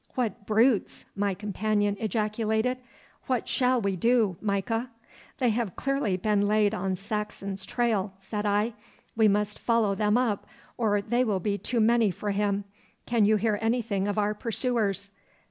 'What brutes!' my companion ejaculated; 'what shall we do, Micah?' 'They have clearly been laid on Saxon's trail,' said I. 'We must follow them up, or they will be too many for him. Can you hear anything of our pursuers?